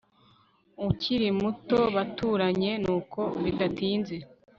ukiri muto baturanye. nuko bidatinze